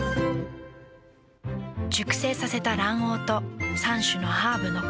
熟成させた卵黄と３種のハーブのコクとうま味。